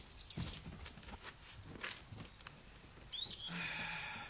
・はあ。